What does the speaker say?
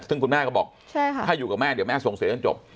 ซึ่งคุณแม่ก็บอกถ้าอยู่กับแม่เดี๋ยวแม่ส่งเสียจนจบ